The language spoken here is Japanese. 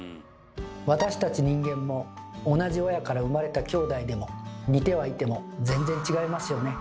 私たち人間も同じ親から生まれたきょうだいでも似てはいても全然違いますよね。